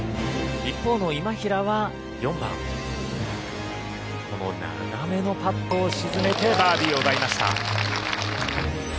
一方の今平は４番この長めのパットを沈めてバーディーを奪いました。